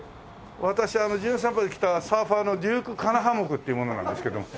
私『じゅん散歩』で来たサーファーのデューク・カハナモクっていう者なんですけども。